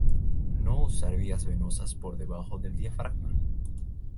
No usar vías venosas por debajo del diafragma.